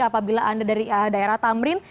apabila anda dari daerah tamrin